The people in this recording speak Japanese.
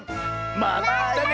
まったね！